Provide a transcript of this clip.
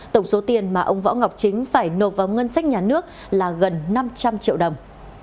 tổng số tiền mà ông võ ngọc chính phải nộp vào ngân sách nhà nước là gần năm trăm linh triệu đồng